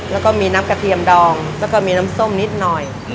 แล้วก็มีน้ำกระเทียมดองแล้วก็มีน้ำส้มนิดหน่อย